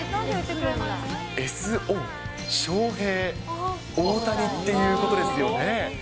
ＳＯ、ショーヘイ・オオタニということですよね。